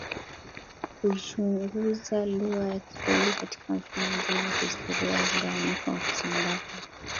kuichunguza lugha ya Kiswahili katika mfumo mzima wa historia ya mgawanyiko wa kusambaa kwa